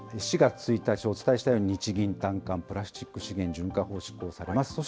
４月１日、お伝えしたように、日銀短観、プラスチック資源循環法が施行されます。